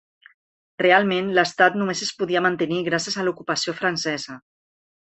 Realment l'estat només es podia mantenir gràcies a l'ocupació francesa.